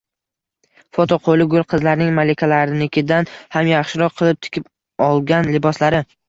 Foto: Qo‘li gul qizlarning malikalarnikidan ham yaxshiroq qilib tikib olgan liboslari